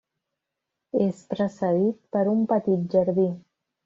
És precedit per un petit jardí.